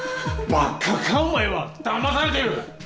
ばかかお前はだまされている！